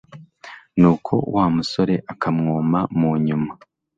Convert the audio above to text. nuko wa musore akamwoma mu nyuma